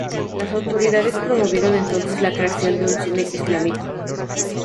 Las autoridades promovieron entonces la creación de un cine islámico.